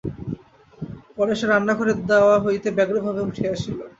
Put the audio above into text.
পরে সে রান্নাঘরের দাওয়া হইতে ব্যগ্রভাবে উঠিয়া আসিল।